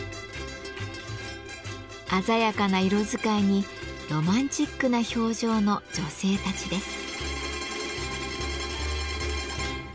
鮮やかな色使いにロマンチックな表情の女性たちです。